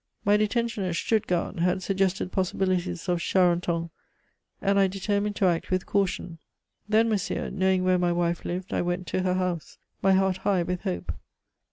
My detention at Stuttgart had suggested possibilities of Charenton, and I determined to act with caution. Then, monsieur, knowing where my wife lived, I went to her house, my heart high with hope.